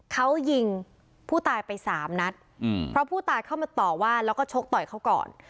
เขายิงผู้ตายไปสามนัดอืมเพราะผู้ตายเข้ามาต่อว่าแล้วก็ชกต่อยเขาก่อน